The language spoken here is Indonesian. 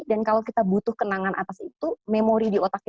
dan kalau kita butuh kenangan atas itu memori diotakkan